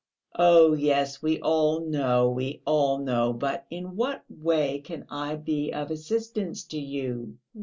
"Oh, yes, we all know, we all know! But in what way can I be of assistance to you?"